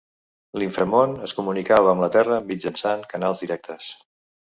L'Inframón es comunicava amb la terra mitjançant canals directes.